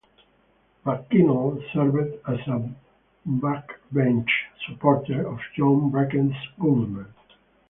McKinnell served as a backbench supporter of John Bracken's government.